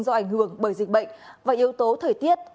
do ảnh hưởng bởi dịch bệnh và yếu tố thời tiết